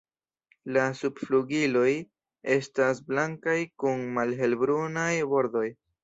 La subflugiloj estas blankaj kun malhelbrunaj bordoj.